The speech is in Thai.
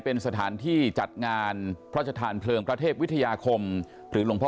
เป็นสถานที่จัดงานพระชธานเพลิงพระเทพวิทยาคมหรือหลวงพ่อ